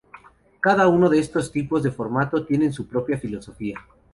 Cada uno de estos tipos de formato tienen su propia filosofía.